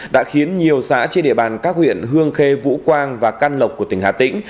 đã khiến nhiều xã trên địa bàn các huyện hương khê vũ quang và can lộc của tỉnh hà tĩnh